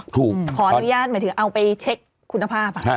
ขออนุญาตหมายถึงเอาไปเช็คคุณภาพ